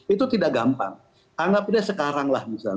itu tidak gampang anggap saja sekarang